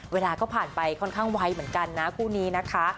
เวลาก็ผ่านไปค่อนข้างไวเหมือนกันนะคู่นี้นะคะ